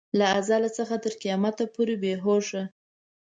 له ازل څخه تر قیامته پورې بې هوشه.